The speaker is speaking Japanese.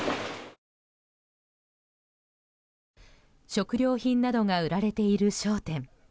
食料品などが売られている商店。